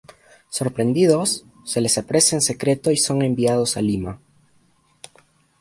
Sorprendidos, se les apresa en secreto y son enviados a Lima.